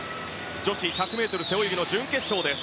女子１００ｍ背泳ぎの準決勝。